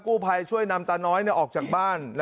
ผู้ภัยช่วยนำตาน้อยออกจากบ้าน